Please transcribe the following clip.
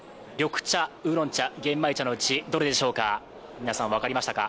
皆さん分かりましたか？